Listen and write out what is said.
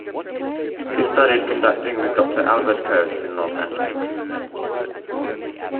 He studied conducting with Doctor Albert Coates in Los Angeles.